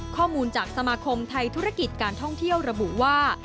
ข้อมูลจากสมาคมไทยธุรกิจการท่องเที่ยวระบุว่า